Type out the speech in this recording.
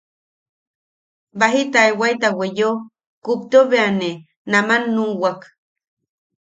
Baji taewata weyeo kupteo bea ne aman nuʼuwak.